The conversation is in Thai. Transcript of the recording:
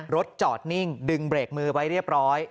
รถจอดนิ่งดึงเบรกมือไว้เรียบร้อย